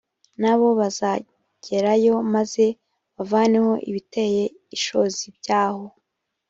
na bo bazagerayo maze bavaneho ibiteye ishozi byaho